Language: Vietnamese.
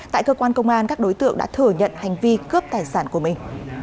tại cơ quan công an các đối tượng đã thừa nhận hành vi cướp tài sản của mình